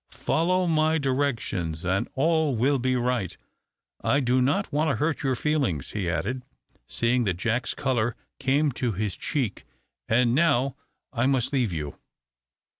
"Follow my directions, and all will be right. I do not want to hurt your feelings," he added, seeing that Jack's colour came to his cheek. "And now I must leave you."